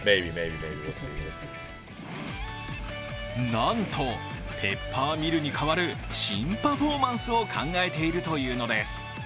なんとペッパーミルに代わる新パフォーマンスを考えているというのです。